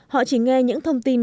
họ chỉ nghe những thông tin